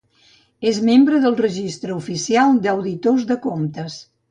És membre del Registre Oficial d'Auditors de Comptes.